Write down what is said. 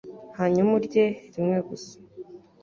hanyuma urye "rimwe gusa"